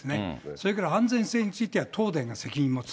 それから安全性については東電が責任を持つ。